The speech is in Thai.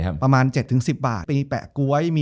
จบการโรงแรมจบการโรงแรม